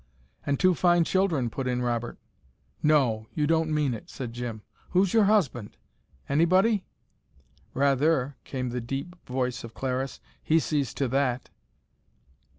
"And two fine children," put in Robert. "No! You don't mean it!" said Jim. "Who's your husband? Anybody?" "Rather!" came the deep voice of Clariss. "He sees to that."